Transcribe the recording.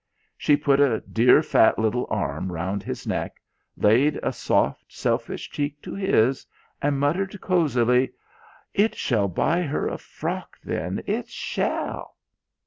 She put a dear fat little arm round his neck, laid a soft selfish cheek to his, and muttered cosily, "It shall buy her a frock then. It shall."